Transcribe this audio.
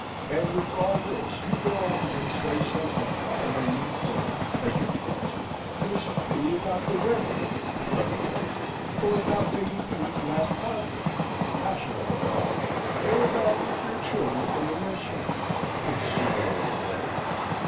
And with all this you go up and say some uncommonly neat thing (as you fancy) to Mrs. B. about the weather (clever dog!), or about Lady E.'s last party (fashionable buck!), or about the dear children in the nursery (insinuating rogue!).